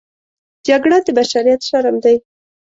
جګړه د بشریت شرم دی